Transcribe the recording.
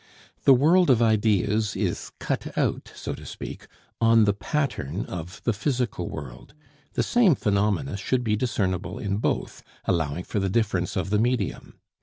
The world of ideas is cut out, so to speak, on the pattern of the physical world; the same phenomena should be discernible in both, allowing for the difference of the medium.